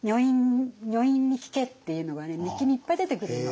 「女院に聞け」っていうのがね日記にいっぱい出てくるの。